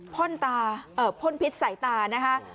พ่นตาเอ่อพ่นพิษใส่ตานะคะ